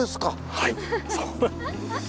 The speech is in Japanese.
はい。